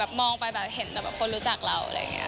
แบบมองไปเห็นคนรู้จักเราอะไรอย่างนี้